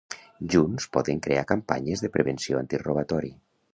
Junts poden crear campanyes de prevenció antirobatori.